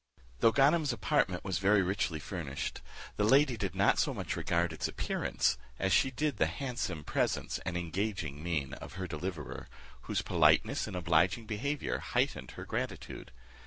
Though Ganem's apartment was very richly furnished, the lady did not so much regard its appearance, as she did the handsome presence and engaging mien of her deliverer, whose politeness and obliging behaviour heightened her gratitude.